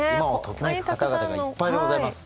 今を時めく方々がいっぱいでございます。